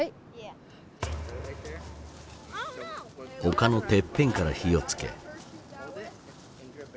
丘のてっぺんから火を付け。